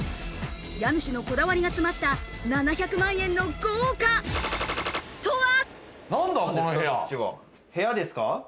家主のこだわりが詰まった７００万円の豪華とは？